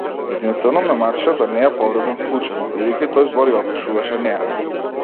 Единствено ме мачеше да не ја повредам случајно, бидејќи тој збор ја опишуваше неа.